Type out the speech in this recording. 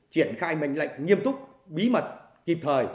triển khai mệnh lệnh nghiêm túc bí mật kịp thời